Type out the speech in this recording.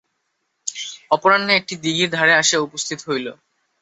অপরাহ্নে একটা দিঘির ধারে আসিয়া উপস্থিত হইল।